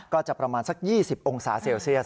ก็จะประมาณสัก๒๐องศาเซลเซียส